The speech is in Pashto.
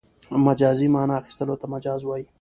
مجازي مانا اخستلو ته مجاز وايي.